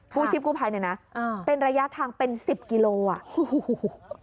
ผู้ชีพกู้ภัยนี่นะเป็นระยะทางเป็น๑๐กิโลกรัม